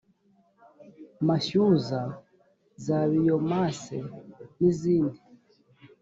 mashyuza za biyomase n izindi